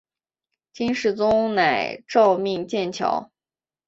金世宗乃诏命建桥。